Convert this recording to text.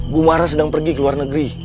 gumara sedang pergi ke luar negeri